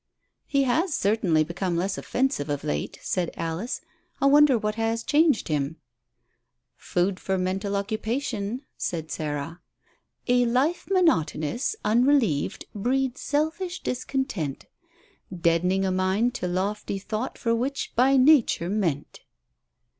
"He has certainly become less offensive of late," said Alice. "I wonder what has changed him." "Food for mental occupation," said Sarah. "'A life monotonous, unrelieved, breeds selfish discontent, Dead'ning a mind to lofty thought for which by nature meant.'"